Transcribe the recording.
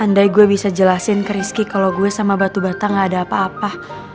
andai gue bisa jelasin ke rizky kalau gue sama batu bata gak ada apa apa